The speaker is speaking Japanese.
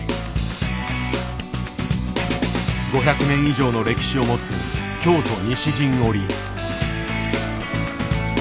５００年以上の歴史を持つ京都西陣織。